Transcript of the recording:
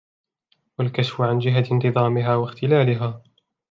وَالْكَشْفُ عَنْ جِهَةِ انْتِظَامِهَا وَاخْتِلَالِهَا